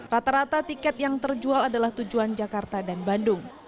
rata rata tiket yang terjual adalah tujuan jakarta dan bandung